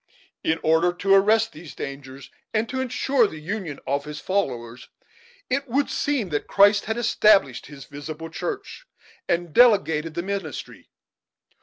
In order to arrest these dangers, and to insure the union of his followers, it would seem that Christ had established his visible church and delegated the ministry.